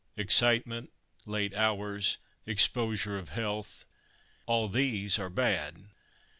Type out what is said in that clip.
Excitement, late hours, exposure of health, all these are bad.